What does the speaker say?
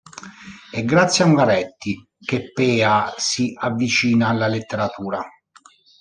È grazie a Ungaretti che Pea si avvicina alla letteratura.